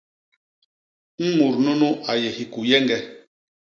Mut nunu a yé hikuyeñge.